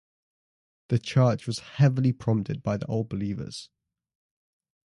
The church was heavily promoted by the Old Believers.